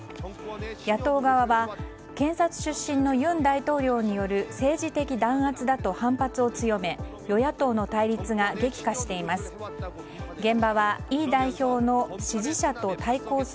野党側は検察出身の尹大統領による政治的弾圧だと反発を強め与野党の対立が激化しています。